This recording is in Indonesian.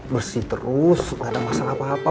bersih terus gak ada masalah apa apa